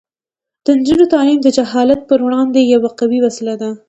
د نجونو تعلیم د جهالت پر وړاندې یوه قوي وسله ده.